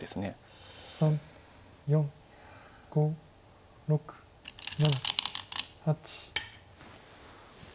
３４５６７８。